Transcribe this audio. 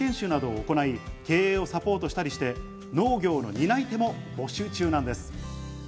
さらに鳩山町では技術研修などを行い、経営をサポートしたりして農業の担い手も募集中なんです。